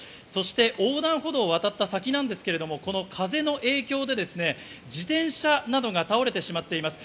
横断歩道を渡った先なんですが、風の影響で自転車などが倒れてしまっています。